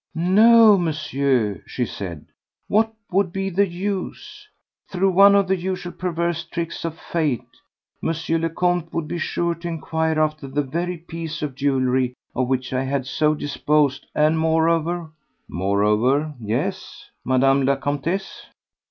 "No, Monsieur," she said; "what would be the use? Through one of the usual perverse tricks of fate, M. le Comte would be sure to inquire after the very piece of jewellery of which I had so disposed, and moreover ..." "Moreover—yes, Mme. la Comtesse?"